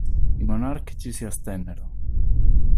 I monarchici si astennero.